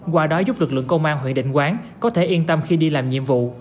qua đó giúp lực lượng công an huyện định quán có thể yên tâm khi đi làm nhiệm vụ